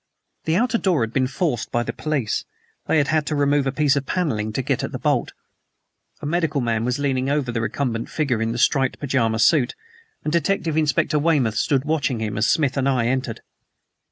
The outer door had been forced by the police. They had had to remove a piece of the paneling to get at the bolt. A medical man was leaning over the recumbent figure in the striped pajama suit, and Detective Inspector Weymouth stood watching him as Smith and I entered.